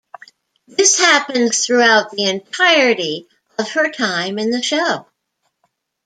This happens throughout the entirety of her time in the show.